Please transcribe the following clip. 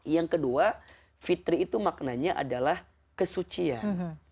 yang kedua fitri itu maknanya adalah kesucian